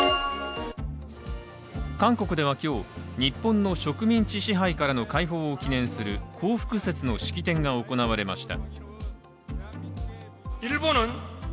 韓国では今日、日本の植民地支配からの解放を記念する光復節の式典が行われました。